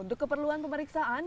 untuk keperluan pemeriksaan